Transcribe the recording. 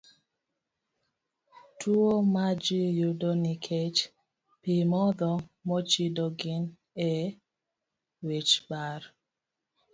Tuwo ma ji yudo nikech pi modho mochido gin: A. wich bar